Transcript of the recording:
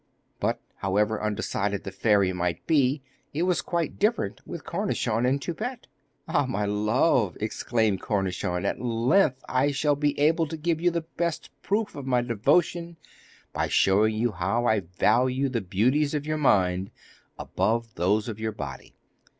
But, however undecided the fairy might be, it was quite different with Cornichon and Toupette. 'Ah, my love,' exclaimed Cornichon, 'at length I shall be able to give you the best proof of my devotion by showing you how I value the beauties of your mind above those of your body!